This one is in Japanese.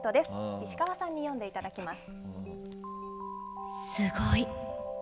石川さんに読んでいただきます。